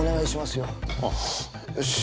よし！